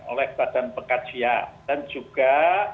oleh badan pengkajian dan juga